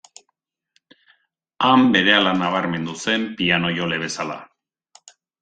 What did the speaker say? Han berehala nabarmendu zen piano-jole bezala.